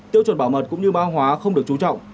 tiêu chuẩn bảo mật cũng như ba hóa không được trú trọng